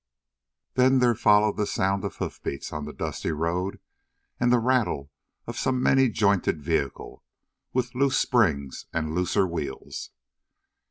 Then there followed the sound of hoofbeats on the dusty road, and the rattle of some many jointed vehicle, with loose springs and looser wheels.